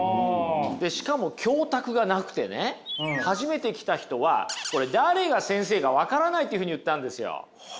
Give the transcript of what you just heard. でしかも教卓がなくてね初めて来た人はこれ「誰が先生かわからない」っていうふうに言ったんですよ。